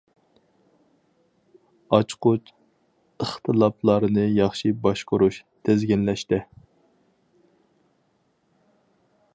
ئاچقۇچ ئىختىلاپلارنى ياخشى باشقۇرۇش- تىزگىنلەشتە.